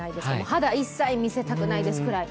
肌、一切見せたくないぐらい。